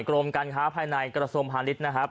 กรมการค้าภายในกระทรวงพาณิชย์นะครับ